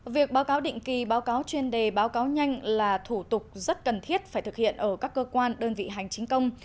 việc báo cáo định kỳ báo cáo chuyên đề báo cáo nhanh là thủ tục rất cần thiết phải thực hiện ở các cơ quan đơn vị hành chính công